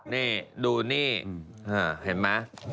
นี่ดูนี่เห็นมั้ย